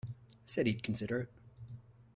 Said he'd consider it.